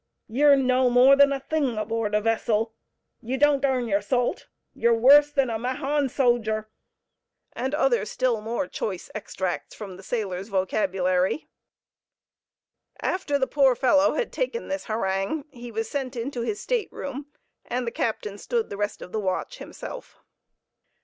you're no more than a thing aboard a vessel! you don't earn your salt! you're worse than a Mahon soger!" and other still more choice extracts from the sailor's vocabulary. After the poor fellow had taken this harangue, he was sent into his stateroom, and the captain stood the rest of the watch himself.